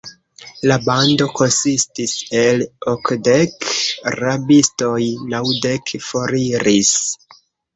La bando konsistis el okdek rabistoj; naŭdek foriris!